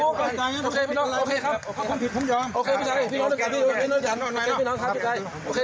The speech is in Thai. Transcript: ครับพี่ครับพี่